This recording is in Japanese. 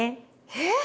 えっ？